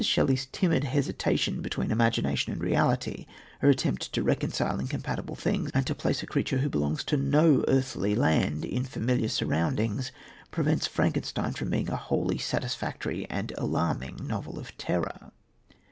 Shelley's timid hesitation between imagination and reality, her attempt to reconcile incompatible things and to place a creature who belongs to no earthly land in familiar surroundings, prevents Frankenstein from being a wholly satisfactory and alarming novel of terror.